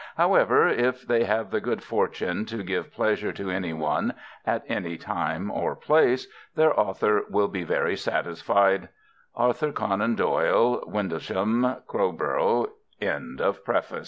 However, if they have the good fortune to give pleasure to any one, at any time or place, their author will be very satisfied. ARTHUR CONAN DOYLE. WINDLESHAM, CROWBOROUGH. CONTENTS PAGE I.